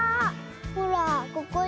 ほらここに。